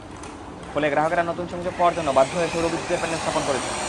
ফলে গ্রাহকেরা নতুন সংযোগ পাওয়ার জন্য বাধ্য হয়ে সৌরবিদ্যুতের প্যানেল স্থাপন করেছেন।